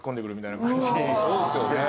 そうですよね。